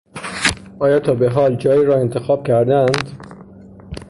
آیا تا به حال جایی را انتخاب کردهاند؟